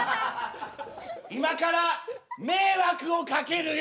今から迷惑をかけるよ！